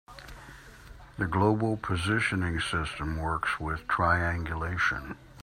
The global positioning system works with triangulation.